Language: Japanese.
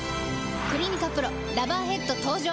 「クリニカＰＲＯラバーヘッド」登場！